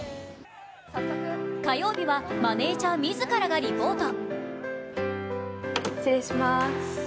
火曜日はマネージャー自らがリポート。